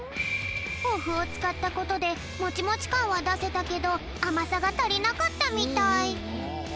おふをつかったことでモチモチかんはだせたけどあまさがたりなかったみたい。